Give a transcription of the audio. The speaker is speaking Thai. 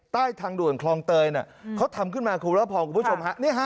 ใต้ทางด่วนคลองเตยเขาทำขึ้นมาคุณพุทธพรรม